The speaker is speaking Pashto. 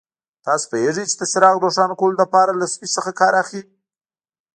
تاسو پوهېږئ چې د څراغ د روښانه کولو لپاره له سویچ څخه کار اخلي.